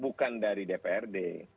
bukan dari dprd